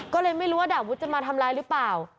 ก็เลยไม่รู้ว่าดาบวุฒิจะมาทำร้ายหรือเปล่า